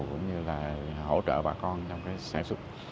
cũng như là hỗ trợ bà con trong cái sản xuất